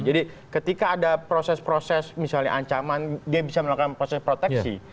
jadi ketika ada proses proses misalnya ancaman dia bisa melakukan proses proteksi